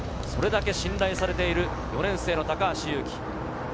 それだけ信頼されている４年生の高橋勇輝。